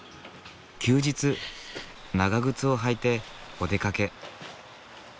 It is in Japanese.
休日長靴を履いてお出かけ。